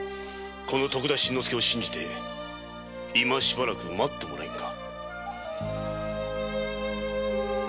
この徳田新之助を信じてしばらく待ってもらえぬか？